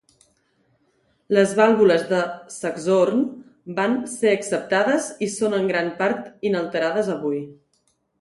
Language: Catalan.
Les vàlvules del saxhorn van ser acceptades i són en gran part inalterades avui.